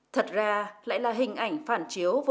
thật ra lại là hình ảnh phản chiếu vô cùng nhiều